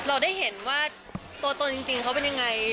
เราได้เห็นว่าตัวตนจริงเขาเป็นยังไง